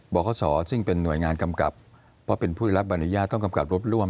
ขศซึ่งเป็นหน่วยงานกำกับเพราะเป็นผู้ได้รับอนุญาตต้องกำกับรถร่วม